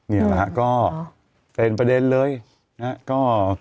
เนี่ยนะก็เป็นประเด็นเลยนะก็